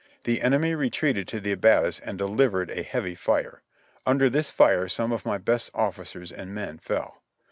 The enemy retreated to the abattis and delivered a heavy fire; under this fire some of my best officers and men fell.